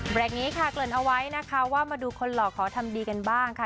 นี้ค่ะเกริ่นเอาไว้นะคะว่ามาดูคนหล่อขอทำดีกันบ้างค่ะ